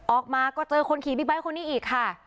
ออกมาก็เจอคนขี่บิ๊กไบท์คนนี้อีกค่ะ